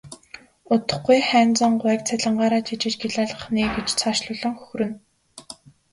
Удахгүй Хайнзан гуайг цалингаараа тэжээж гялайлгах нь ээ гэж цаашлуулан хөхөрнө.